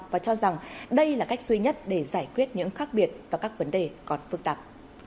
và cho rằng đây là cách duy nhất để giải quyết những khác biệt và các vấn đề còn phức tạp